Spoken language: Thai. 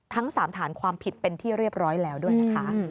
ทั้ง๓ฐานความผิดเป็นที่เรียบร้อยแล้วด้วยนะคะ